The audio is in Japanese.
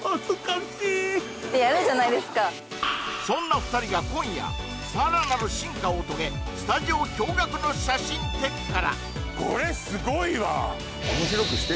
そんな２人が今夜さらなる進化を遂げスタジオ驚愕の写真テクからまで続々ご紹介！